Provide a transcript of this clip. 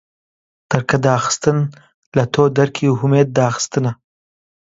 دەرکەداخستن لە تۆ دەرکی هومێد داخستنە